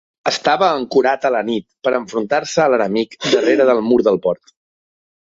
Estava ancorat a la nit per enfrontar-se a l'enemic darrere del mur del port.